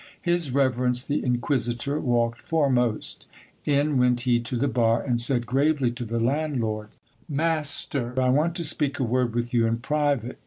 His reverence the inquisitor walked foremost In went he to the bar, and said 214 GIL BLAS. gravely to the landlord : Master, I want to speak a word with you in private.